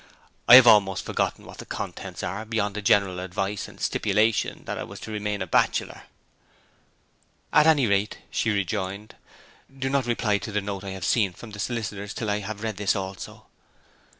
I have almost forgotten what the contents are, beyond the general advice and stipulation that I was to remain a bachelor.' 'At any rate,' she rejoined, 'do not reply to the note I have seen from the solicitors till I have read this also.'